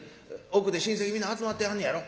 奥で親戚皆集まってはんねやろ。